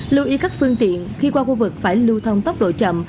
lưu ý các phương tiện khi qua khu vực phải lưu thông tốc độ chậm